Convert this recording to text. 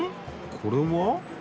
これは？